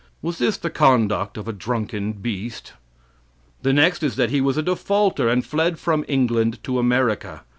Was this the conduct of a drunken beast? The next is that he was a defaulter, and fled from England to America.